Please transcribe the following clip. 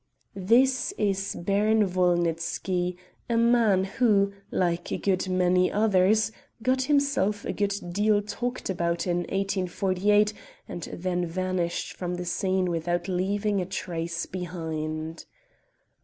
This is Baron Wolnitzky, a man who, like a good many others, got himself a good deal talked about in 1848 and then vanished from the scene without leaving a trace behind.